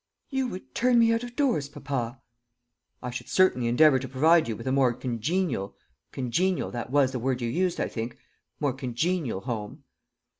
"You would turn me out of doors, papa?" "I should certainly endeavour to provide you with a more congenial congenial, that was the word you used, I think more congenial home."